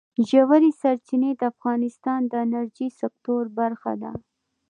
ژورې سرچینې د افغانستان د انرژۍ سکتور برخه ده.